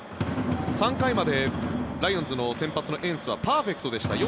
３回までライオンズの先発のエンスはパーフェクトでした。